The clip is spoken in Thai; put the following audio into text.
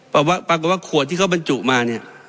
ปรากฏว่าขวดที่เขาบรรจุมาเนี่ย